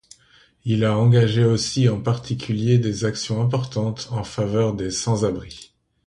Il a engagé aussi en particulier des actions importantes en faveur des sans-abris.